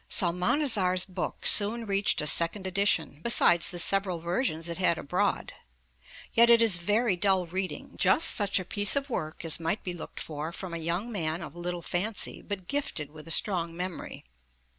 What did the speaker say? Psalmanazar's book soon reached a second edition, 'besides the several versions it had abroad' (p. 5). Yet it is very dull reading just such a piece of work as might be looked for from a young man of little fancy, but gifted with a strong memory.